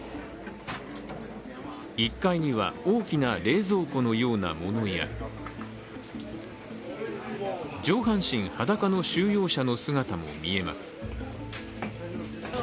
１階には大きな冷蔵庫のようなものや上半身裸の収容者の姿も見えます。